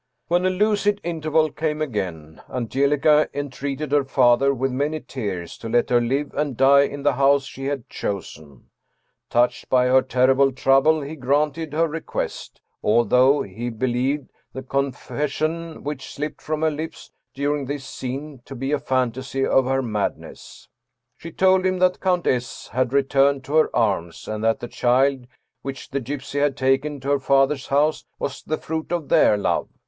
" When a lucid interval came again Angelica entreated her father, with many tears, to let her live and die in the house she had chosen. Touched by her terrible trouble he granted her request, although he believed the confession 154 Ernest The odor Amadeus Hoffmann which slipped from her lips during this scene to be a fantasy of her madness. She told him that Count S. had returned to her arms, and that the child which the gypsy had taken to her father's house was the fruit of their love.